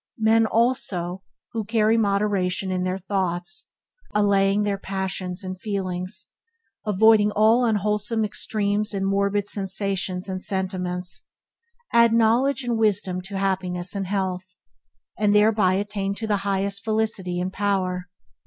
Men, also, who carry moderation into their thoughts, allaying their passions and feelings, avoiding all unwholesome extremes and morbid sensations and sentiments, add knowledge and wisdom to happiness and health, and thereby attain to the highest felicity and power.